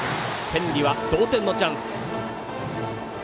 天理は同点のチャンス。